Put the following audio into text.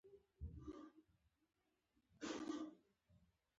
بیا نو مجبور یم له دوی سره خبرې وکړم.